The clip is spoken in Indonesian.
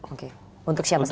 oke untuk siapa saja